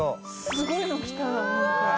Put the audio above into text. すごいの来た何か。